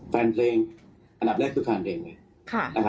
แฟนปลงอันดับแรกคือพ่านเพียง